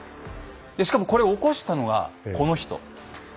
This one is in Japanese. でしかもこれ起こしたのがこの人。